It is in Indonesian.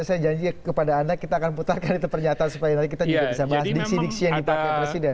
saya janji kepada anda kita akan putarkan itu pernyataan supaya nanti kita juga bisa bahas diksi diksi yang dipakai presiden